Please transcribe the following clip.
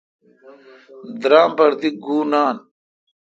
درام پر دی گُو نان۔